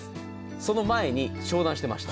その前に商談してました。